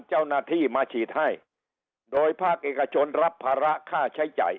เจ้าหน้าที่มาฉีดให้โดยภาคเอกชนรับภาระค่าใช้จ่าย